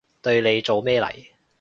對你做咩嚟？